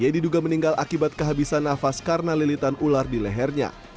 y diduga meninggal akibat kehabisan nafas karena lilitan ular di lehernya